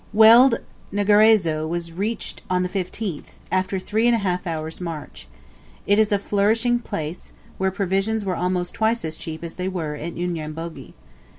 Welled Ngaraiso was reached on the 15th, after a three and a half hours' march. It is a flourishing little place, where provisions were almost twice as cheap as they were at Unyambogi.